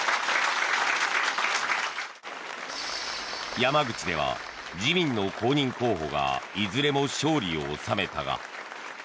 山口では自民の公認候補がいずれも勝利を収めたが。